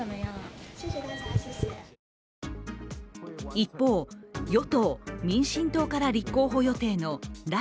一方、与党・民進党から立候補予定の頼